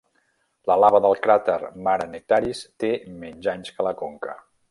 La lava del cràter Mare Nectaris té menys anys que la conca.